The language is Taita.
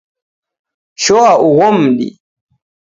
Shoa ugho mdi